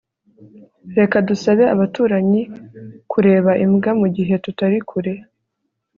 Reka dusabe abaturanyi kureba imbwa mugihe tutari kure